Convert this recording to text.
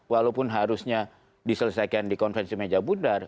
walaupun harusnya diselesaikan di konvensi meja bundar